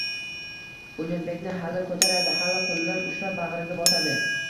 Bunyodbekni hali koʻtaradi, hali qoʻlidan ushlab, bagʻriga bosadi